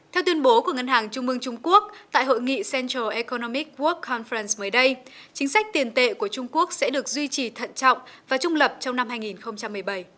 theo tuyên bố của ngân hàng trung mương trung quốc tại hội nghị central economic work connference mới đây chính sách tiền tệ của trung quốc sẽ được duy trì thận trọng và trung lập trong năm hai nghìn một mươi bảy